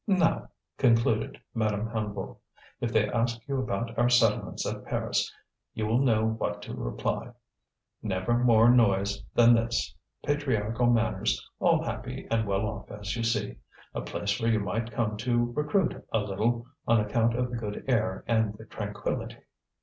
"Now!" concluded Madame Hennebeau, "if they ask you about our settlements at Paris you will know what to reply. Never more noise than this, patriarchal manners, all happy and well off as you see, a place where you might come to recruit a little, on account of the good air and the tranquillity."